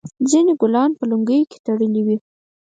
ځینو ګلان په لونګیو کې تړلي وي.